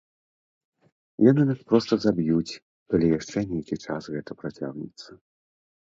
Яны нас проста заб'юць, калі яшчэ нейкі час гэта працягнецца.